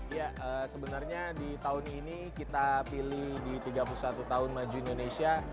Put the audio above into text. ya sebenarnya di tahun ini kita pilih di tiga puluh satu tahun maju indonesia